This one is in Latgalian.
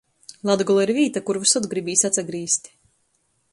Latgola ir vīta, kur vysod gribīs atsagrīzt...